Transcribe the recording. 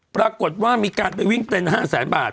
ปรากฏว่ามีการไปวิ่งเต้น๕แสนบาท